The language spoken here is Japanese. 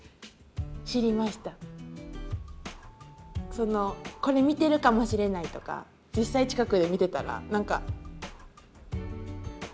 そのこれ見てるかもしれないとか実際近くで見てたら何か全力出せない。